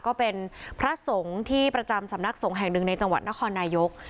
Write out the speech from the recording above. ก็เป็นพระสงฆ์ที่ประจำสำนักสงฆ์แห่งหนึ่งในจังหวัดนครนายก